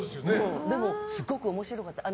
でもすごく面白かった。